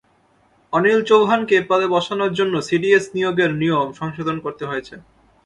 অনিল চৌহানকে এ পদে বসানোর জন্য সিডিএস নিয়োগের নিয়ম সংশোধন করতে হয়েছে।